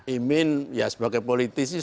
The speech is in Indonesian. imin ya sebagai politik sih